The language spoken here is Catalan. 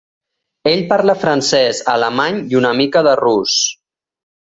Ell parla francès, alemany i una mica de rus.